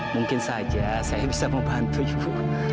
mungkin saja saya bisa membantu ibu